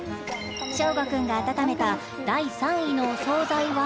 将吾君が温めた第３位のお総菜は？